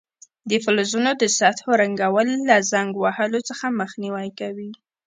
د فلزونو د سطحو رنګول له زنګ وهلو څخه مخنیوی کوي.